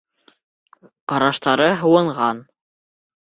Ҡараштары һыуынған.